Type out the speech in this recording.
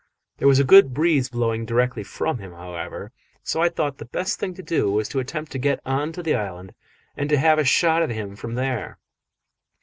There was a good breeze blowing directly from him, however, so I thought the best thing to do was to attempt to get on to the island and to have a shot at him from there.